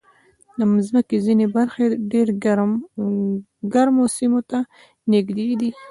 د مځکې ځینې برخې ډېر ګرمو سیمو ته نږدې دي.